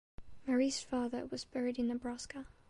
Murie’s father was buried in Nebraska.